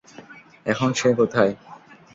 এখন সে কোথায়!